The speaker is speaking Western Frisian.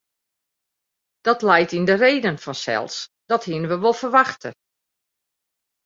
Dat leit yn de reden fansels, dat hienen we wol ferwachte.